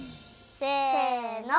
せの。